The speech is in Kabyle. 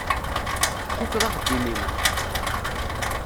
Tfukkeḍ axeddim-im?